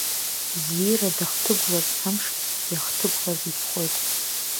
Зиира дахҭыгәлаз амш, иахҭыгәлаз итәхоит.